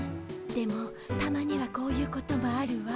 でもたまにはこういうこともあるわ。